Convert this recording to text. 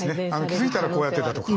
気付いたらこうやってたとか。